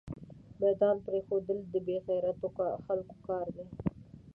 ميدان پريښودل دبې غيرتو خلکو کار ده